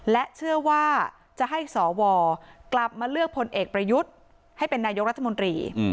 และเชื่อว่าจะให้สวกลับมาเลือกพลเอกประยุทธ์ให้เป็นนายกรัฐมนตรี